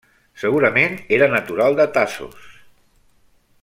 Segurament era natural de Tasos.